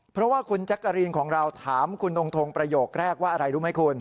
เพราะว่าคุณแจ๊กกะรีนของเราถามคุณทงทงประโยคแรกว่าอะไรรู้ไหมคุณ